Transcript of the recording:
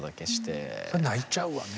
そりゃ泣いちゃうわね。